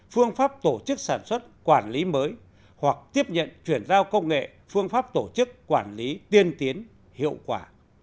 phương pháp tổ chức sản xuất quản lý mới hoặc tiếp nhận chuyển giao công nghệ phương pháp tổ chức quản lý tiên tiến hiệu quả